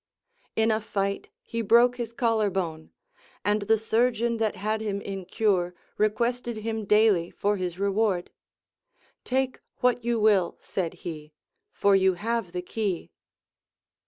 In a fight he broke his collar bone, and the surgeon that had him in cure requested him daily for his reward. Take what you will, said he, for you have the key.